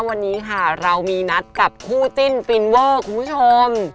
วันนี้ค่ะเรามีนัดกับคู่จิ้นฟินเวอร์คุณผู้ชม